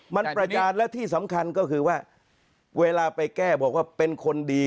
มันประยานและที่สำคัญก็คือว่าเวลาไปแก้บอกว่าเป็นคนดี